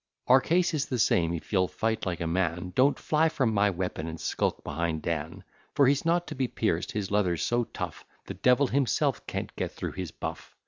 Our case is the same; if you'll fight like a man, Don't fly from my weapon, and skulk behind Dan; For he's not to be pierced; his leather's so tough, The devil himself can't get through his buff.